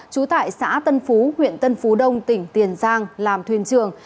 trú tại xã tân phú huyện tân phú đông tỉnh tiền giang làm thuyền trường